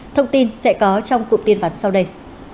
thông tin sẽ có trong cụm tin vắn sau đây